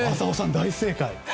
大正解。